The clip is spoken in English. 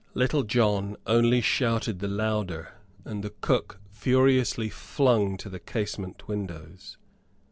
Little John only shouted the louder, and the cook furiously flung to the casement windows.